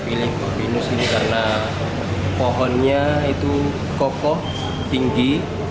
pilih kok pinus ini karena pohonnya itu kokoh tinggi